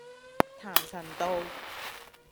譚臣道